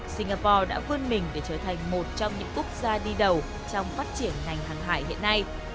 singapore đã vươn mình để trở thành một trong những quốc gia đi đầu trong phát triển ngành hàng hải hiện nay